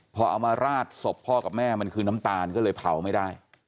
พอเอามาราดศพพ่อกับแม่มันคือน้ำตาลก็เลยเผาไม่ได้